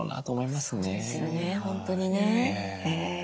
本当にね。